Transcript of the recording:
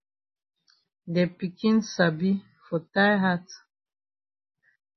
De pikin sabi for tie hat.